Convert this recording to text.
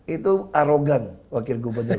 itu arogan wakil gubernur